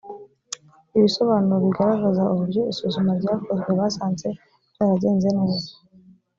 ibisobanuro bigaragaza uburyo isuzuma ryakozwe basanze byaragenze neza